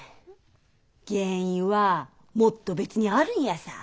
原因はもっと別にあるんやさ。